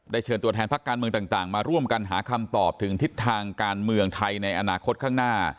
เชิญตัวแทนพักการเมืองต่างมาร่วมกันหาคำตอบถึงทิศทางการเมืองไทยในอนาคตข้างหน้า